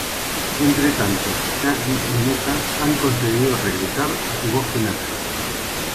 Entre tanto, Jacky y Nuca han conseguido regresar a su bosque natal.